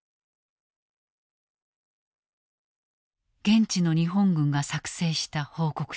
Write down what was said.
現地の日本軍が作成した報告書。